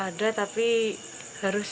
agar tetap tidak wakil